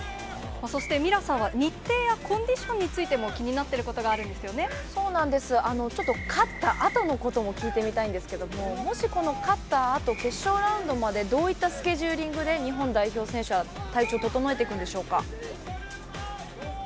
そしてミラさんは日程やコンディションについても、気になっそうなんです、ちょっと勝ったあとのことも聞いてみたいんですけれども、もし勝ったあと、決勝ラウンドまでどういったスケジューリングで日本代表選手は体調を整えていくんでしょうか。